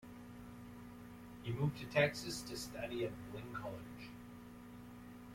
He moved to Texas to study at Blinn College.